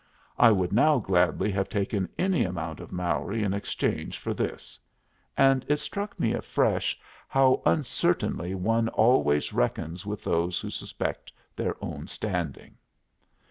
I would now gladly have taken any amount of Mowry in exchange for this; and it struck me afresh how uncertainly one always reckons with those who suspect their own standing.